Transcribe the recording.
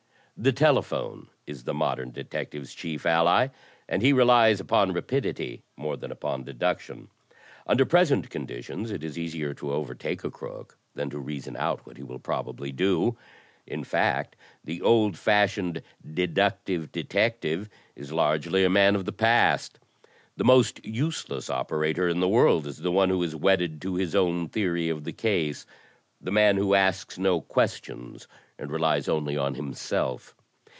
"The telephone is the modern detective's chief ally, and he relies upon rapidity more than upon deduction. Under present conditions it is easier to overtake a crook than to reason out what he will probably do. In fact, the old fashioned 'deductive detective' is largely a man of the past. The most useless operator in the world is the one who is * wedded to his own theory' of the case — the man who asks no questions and relies only on himself.